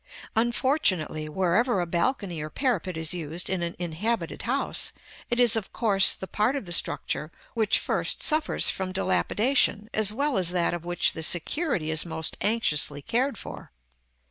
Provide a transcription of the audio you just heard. § XX. Unfortunately, wherever a balcony or parapet is used in an inhabited house, it is, of course, the part of the structure which first suffers from dilapidation, as well as that of which the security is most anxiously cared for.